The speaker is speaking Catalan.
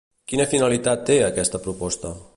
Quina finalitat té aquesta proposta?